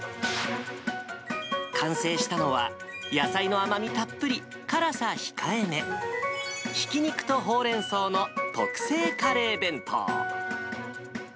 完成したのは、野菜の甘みたっぷり、辛さ控えめ、ひき肉とホウレンソウの特製カレー弁当。